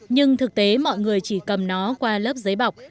nhưng thực tế mọi người chỉ cầm nó qua lớp giấy bọc